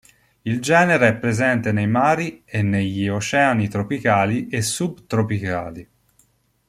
Il genere è presente nei mari e negli oceani tropicali e subtropicali.